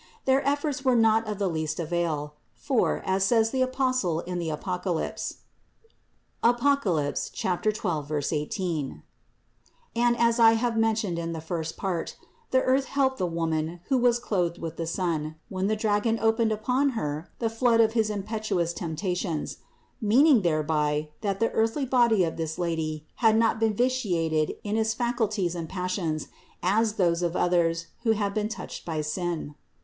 Their efforts were not of the least avail ; for, as says the Apostle in the Apocalypse (Apoc. 12, 18) and as I have mentioned in the first part (1 129), the earth helped the Woman, who was clothed with the sun, when the dragon opened upon Her the flood of his impetuous temptations ; meaning thereby, that the earthly body of this Lady had not been vitiated in its faculties and passions, as those of others, who had been touched by sin.